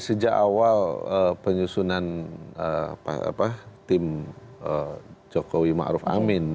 sejak awal penyusunan tim jokowi maruf amin